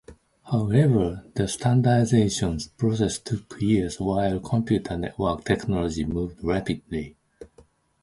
However, the standardization process took years while computer network technology moved rapidly.